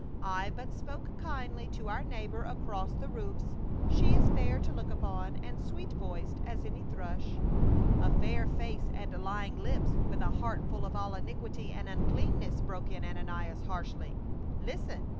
" I but spoke kindly to our neighbor across the roofs. She is fair to look upon, and sweet voiced as any thrush." "A fair face and lying lips, with a heart full of all iniquity and unclcanness," broke in Ananias harshly. " Listen